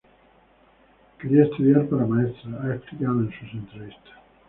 Quería estudiar para maestra, ha explicado en sus entrevistas.